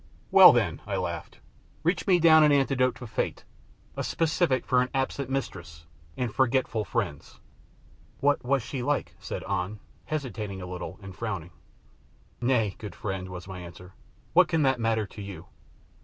"Well, then," I laughed, "reach me down an antidote to fate, a specific for an absent mistress, and forgetful friends." "What was she like?" said An, hesitating a little and frowning. "Nay, good friend," was my answer, "what can that matter to you?"